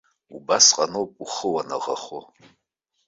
Убасҟан ауп ухы уанаӷахо.